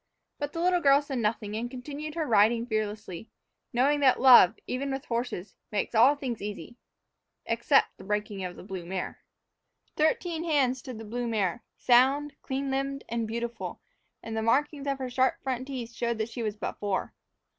But the little girl said nothing, and continued her riding fearlessly, knowing that love, even with horses, makes all things easy, except the breaking of the blue mare. Thirteen hands stood the blue mare, sound, clean limbed, and beautiful, and the markings of her sharp front teeth showed that she was but four.